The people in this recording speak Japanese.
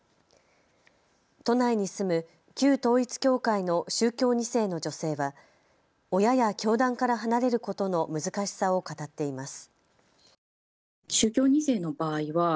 都内に住む旧統一教会の宗教２世の女性は親や教団から離れることの難しさを語っています。